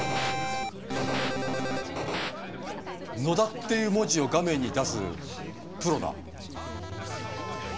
野田っていう文字を画面に出すプロだ。